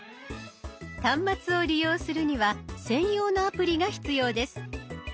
端末を利用するには専用のアプリが必要です。